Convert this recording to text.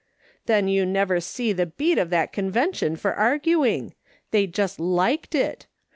"Then you never see the beat of that Convi uLiuu for arguing. They just liked it.